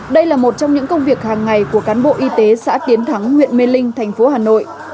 đây là một trong những công việc hàng ngày của cán bộ y tế xã tiến thắng huyện mê linh thành phố hà nội